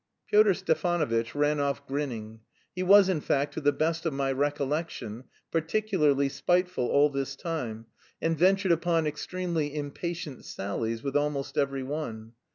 Pyotr Stepanovitch ran off, grinning. He was, in fact, to the best of my recollection, particularly spiteful all this time, and ventured upon extremely impatient sallies with almost every one.